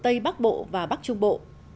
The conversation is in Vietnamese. tây bắc bộ và bắc trung bộ